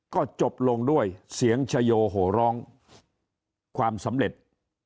ก็จบลงด้วยเสียงชโยโหร้องความสำเร็จ